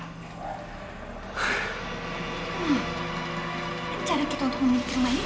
hmm cara kita untuk memiliki rumah ini jadi gagal dong